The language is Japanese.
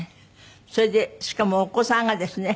それでしかもお子さんがですね